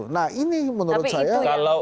nah ini menurut saya